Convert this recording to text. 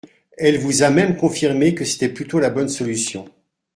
Elle vous a même confirmé que c’était plutôt la bonne solution.